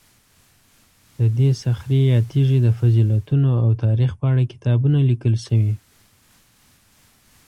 د دې صخرې یا تیږې د فضیلتونو او تاریخ په اړه کتابونه لیکل شوي.